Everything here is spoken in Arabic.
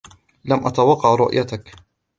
لم اتوقع رویتک.